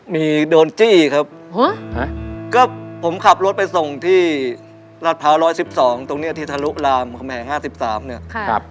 มีโดนจี้ครับก็ผมขับรถไปส่งที่รัฐพร้าว๑๑๒ตรงนี้ที่ทะลุรามคำแหง๕๓เนี่ย